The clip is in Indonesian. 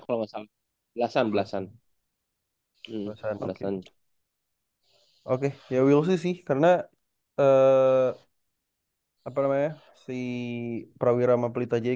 atau masalah belasan belasan oke ya will sih karena eh apa namanya sih prawirama pelitajai